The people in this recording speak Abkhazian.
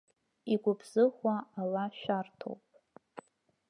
Игәыбзыӷуа ала шәарҭоуп.